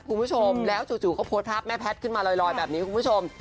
คุณผู้ชมแล้วจู่ก็โพสต์ภาพแม่แพทย์ขึ้นมาลอยแบบนี้คุณผู้ชม